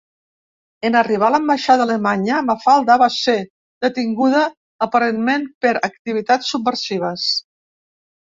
En arribar a l'ambaixada alemanya, Mafalda va ser detinguda, aparentment per activitats subversives.